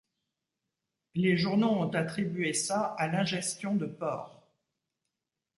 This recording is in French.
Les journaux ont attribué ça à l'ingestion de porc.